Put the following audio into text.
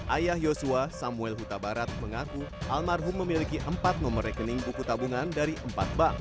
ayah yosua samuel huta barat mengaku almarhum memiliki empat nomor rekening buku tabungan dari empat bank